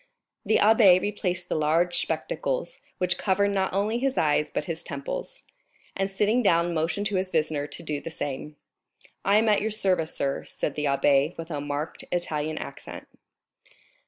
The abbé replaced the large spectacles, which covered not only his eyes but his temples, and sitting down motioned to his visitor to do the same. "I am at your service, sir," said the abbé, with a marked Italian accent.